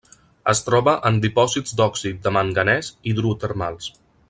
Es troba en dipòsits d'òxid de manganès hidrotermals.